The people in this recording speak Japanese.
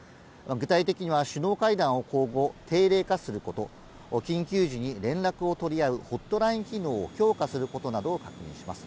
具体的には首脳会談を今後、定例化すること、緊急時に連絡を取り合うホットライン機能を強化することなどを確認します。